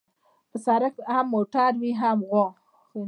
په سړک هم موټر وي هم غوا.